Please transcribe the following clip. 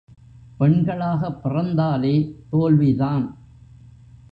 பெண்களாகப் பிறந்தாலே தோல்விதான்.